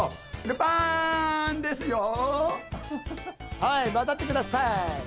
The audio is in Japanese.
はい渡ってください。